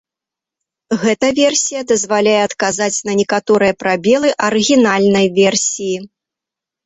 Гэта версія дазваляе адказаць на некаторыя прабелы арыгінальнай версіі.